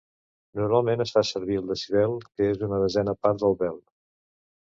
Normalment es fa servir el decibel, que és una desena part del bel.